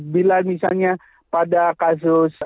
bila misalnya pada kasus